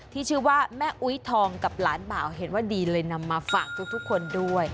ที่ชื่อว่าแม่อุ๊ยทองกับหลานบ่าวเห็นว่าดีเลยนำมาฝากทุกคนด้วย